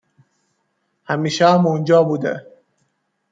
همیشه هم اونجا بوده